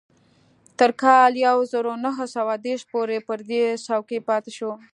تر کال يو زر و نهه سوه دېرش پورې پر دې څوکۍ پاتې شو.